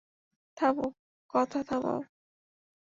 থামো, কথা থামাও!